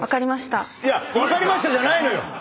「分かりました」じゃないのよ！